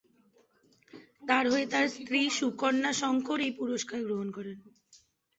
তার হয়ে তার স্ত্রী সুকন্যা শংকর এই পুরস্কার গ্রহণ করেন।